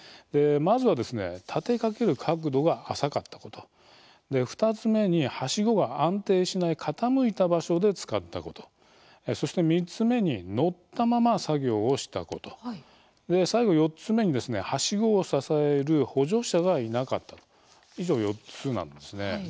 まずは立てかける角度が浅かったこと２つ目に、はしごが安定しない傾いた場所で使ったことそして３つ目に乗ったまま作業をしたこと最後４つ目に、はしごを支える補助者がいなかった以上４つなんですね。